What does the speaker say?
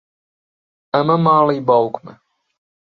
ئەمە ماڵی باوکمە.